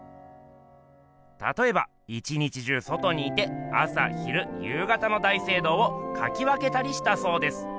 たとえば一日中外にいて朝昼夕方の大聖堂をかき分けたりしたそうです。